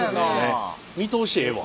見通しええわ。